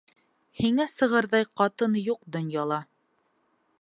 Һиңә сығырҙай ҡатын юҡ донъяла!